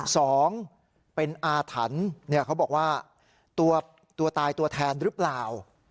สองเป็นอาถรรพ์เขาบอกว่าตัวตายตัวแทนหรือเปล่า